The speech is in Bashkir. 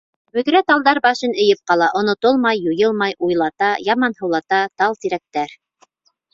Бөҙрә талдар башын эйеп ҡала, Онотолмай, юйылмай, Уйлата, яманһыулата, Тал-тирәктәр